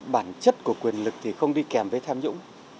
bản chất của quyền lực thì không đi kèm với tham nhũng